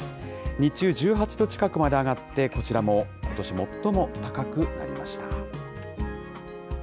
日中、１８度近くまで上がって、こちらもことし最も高くなりました。